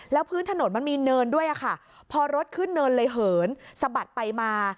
แล้วพื้นถนนมันมีเนินด้วยค่ะพอรถขึ้นเนินเลยเหินสะบัดไปมา